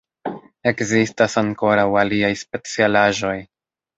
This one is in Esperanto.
Ekzistas ankoraŭ aliaj specialaĵoj.